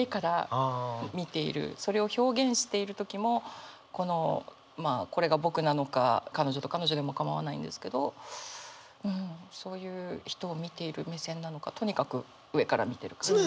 それを表現している時もこのまあこれが僕なのか彼女でも構わないんですけどうんそういう人を見ている目線なのかとにかく上から見てる感じ。